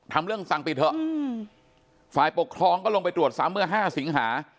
ทำเรื่องสั่งปิดเถอะฝ่ายปกครองก็ลงไปตรวจซ้ำเมื่อห้าสิงหา